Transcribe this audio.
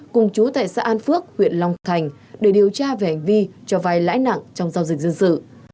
cùng chú tại xã an phước huyện long thành để điều tra về hành vi cho vai lãi nặng trong giao dịch dân sự